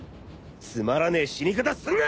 つまらねえ死に方すんな！